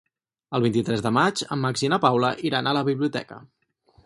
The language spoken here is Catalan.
El vint-i-tres de maig en Max i na Paula iran a la biblioteca.